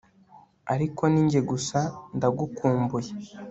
ariko ni njye gusa ndagukumbuye